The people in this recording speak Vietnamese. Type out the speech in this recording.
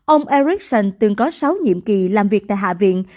ông ericsson từng có sáu nhiệm kỳ làm việc tại hạ viện